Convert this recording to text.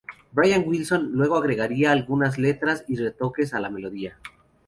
Brian Wilson luego agregaría algunas letras y retoques a la melodía.